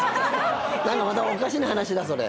何かまたおかしな話だそれ。